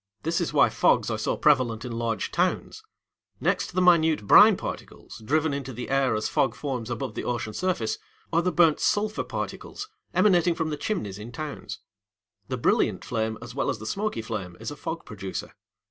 This is why fogs are so prevalent in large towns. Next the minute brine particles, driven into the air as fog forms above the ocean surface, are the burnt sulphur particles emanating from the chimneys in towns. The brilliant flame, as well as the smoky flame, is a fog producer.